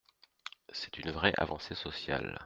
C’est une vraie avancée sociale.